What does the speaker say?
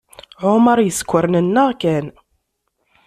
Ɛumaṛ yeskurnennaɣ kan.